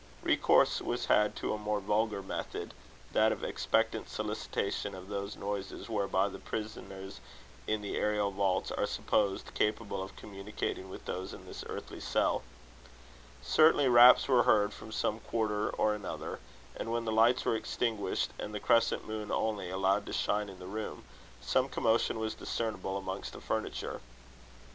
Recourse was had to a more vulgar method that of expectant solicitation of those noises whereby the prisoners in the aerial vaults are supposed capable of communicating with those in this earthly cell. Certainly, raps were heard from some quarter or another; and when the lights were extinguished, and the crescent moon only allowed to shine in the room, some commotion was discernible amongst the furniture.